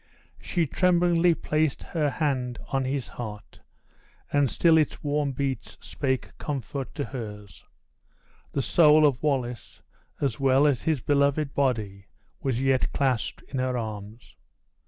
She tremblingly placed her hand on his heart, and still its warm beats spake comfort to hers. The soul of Wallace, as well as his beloved body, was yet clasped in her arms.